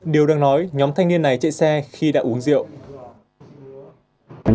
điều đang nói nhóm thanh niên này chạy xe khi đã uống rượu